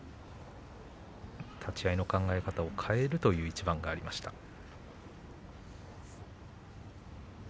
立ち合いを変えるという一番がありました。